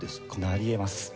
なりえます。